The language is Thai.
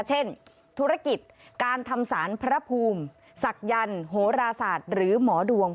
เช่นธุรกิจการทำสารพระภูมิศักยันต์โหราศาสตร์หรือหมอดวง